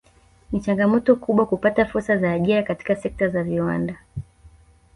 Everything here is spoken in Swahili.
Ni changamoto kubwa kupata fursa za ajira katika sekta za viwanda